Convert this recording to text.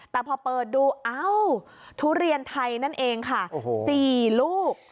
แต่พอเปิดดูเอ้าทุเรียนไทยนั่นเองค่ะ๔ลูก